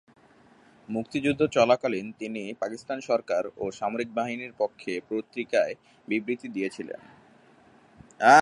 মুক্তিযুদ্ধ চলাকালীন তিনি পাকিস্তান সরকার ও সামরিক বাহিনীর পক্ষে পত্রিকায় বিবৃতি দিয়েছিলেন।